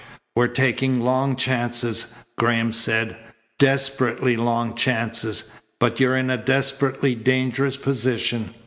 "We're taking long chances," Graham said, "desperately long chances, but you're in a desperately dangerous position.